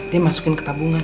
dia masukin ke tabungan